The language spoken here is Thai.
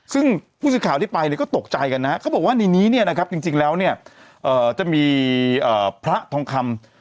ซึ่งผู้ชิดข่าวที่ไปก็ตกใจกันนะครับเขาบอกว่าในนี้นะครับจริงแล้วจะมีพระทองคำ